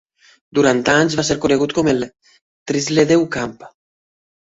Durant anys va ser conegut com el Thistledew Camp.